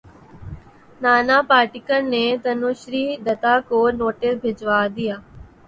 نانا پاٹیکر نے تنوشری دتہ کو نوٹس بھجوا دیا